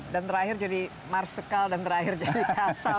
dan terakhir jadi marsukal dan terakhir jadi kasal